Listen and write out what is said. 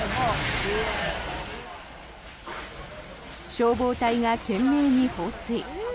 消防隊が懸命に放水。